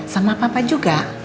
sama papa juga